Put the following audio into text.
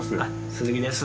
鈴木です。